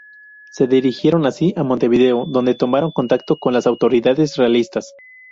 Se dirigieron así a Montevideo, donde tomaron contacto con las autoridades realistas.